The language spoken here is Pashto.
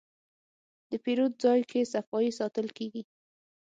د پیرود ځای کې صفایي ساتل کېږي.